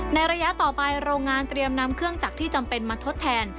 ระยะต่อไปโรงงานเตรียมนำเครื่องจักรที่จำเป็นมาทดแทน